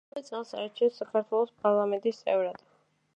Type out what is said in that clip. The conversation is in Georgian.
იმავე წელს აირჩიეს საქართველოს პარლამენტის წევრად.